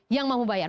yang mau bayar